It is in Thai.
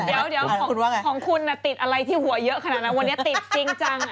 แล้วของคุณติดอะไรที่หัวเยอะขนาดนี้ติดจริงจัง